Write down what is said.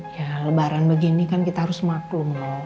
ya lebaran begini kan kita harus maklum dong